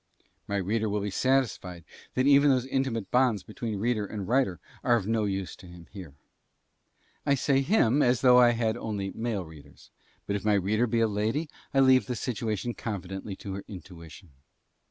My reader will be satisfied that even those intimate bonds between reader and writer are of no use to him here. I say him as though I had only male readers, but if my reader be a lady I leave the situation confidently to her intuition.